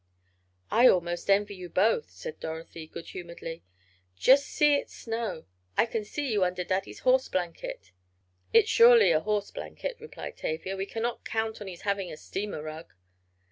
"I almost envy you both," said Dorothy, good humoredly. "Just see it snow! I can see you under Daddy's horse blanket." "It's surely a horse blanket," replied Tavia. "We cannot count on his having a steamer rug."